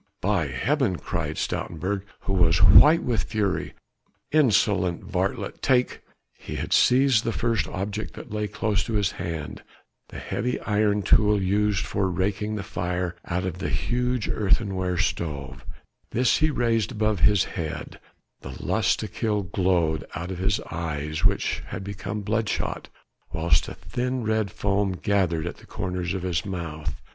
"By heaven," cried Stoutenburg who was white with fury. "Insolent varlet, take...." He had seized the first object that lay close to his hand, the heavy iron tool used for raking the fire out of the huge earthenware stove; this he raised above his head; the lust to kill glowed out of his eyes, which had become bloodshot, whilst a thin red foam gathered at the corners of his mouth.